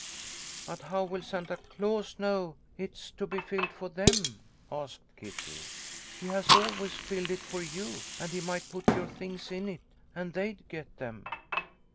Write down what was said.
" But how will Santa Claus know it's to be filled for them ?" asked Kitty. " He has always filled it A HAPPY CHRISTMAS. 2l<) for you, and he might put your things in it, and they'd get them."